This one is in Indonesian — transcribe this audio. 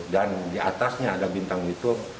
dan di atasnya ada bintang itu